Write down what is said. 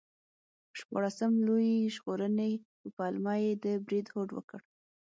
د شپاړسم لویي ژغورنې په پلمه یې د برید هوډ وکړ.